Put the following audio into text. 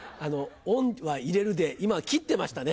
「オン」は入れるで今切ってましたね